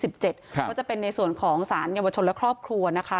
ก็จะเป็นในส่วนของสารเยาวชนและครอบครัวนะคะ